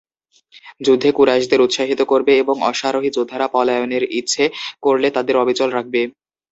যুদ্ধে কুরাইশদের উৎসাহিত করবে এবং অশ্বারোহী যোদ্ধারা পলায়নের ইচ্ছে করলে তাদের অবিচল রাখবে।